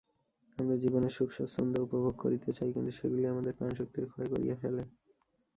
আমরা জীবনের সুখস্বাচ্ছন্দ্য উপভোগ করিতে চাই, কিন্তু সেগুলিই আমাদের প্রাণশক্তির ক্ষয় করিয়া ফেলে।